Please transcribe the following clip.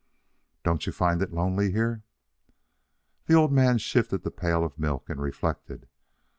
"Don't you find it lonely here?" The old man shifted the pail of milk and reflected.